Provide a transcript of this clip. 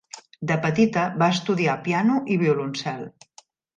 De petita va estudiar piano i violoncel.